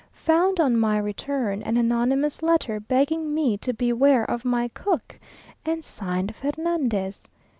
Found on my return an anonymous letter, begging me to "beware of my cook!" and signed Fernandez.